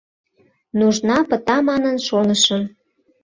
Нужна пыта манын, шонышым.